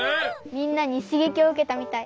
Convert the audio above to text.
みんなにしげきをうけたみたい。